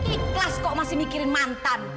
ikhlas kok masih mikirin mantan